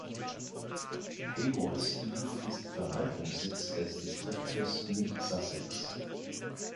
Haywards Heath ist Verwaltungssitz des Distriktes Mid Sussex.